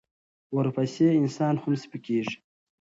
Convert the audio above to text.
ورپسې انسان هم سپکېږي.